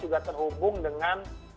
juga terhubung dengan